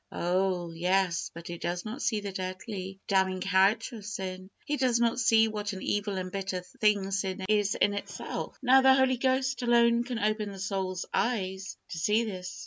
Oh! yes; but he does not see the deadly, damning character of sin. He does not see what an evil and bitter thing sin is in itself. Now, the Holy Ghost alone can open the soul's eyes to see this.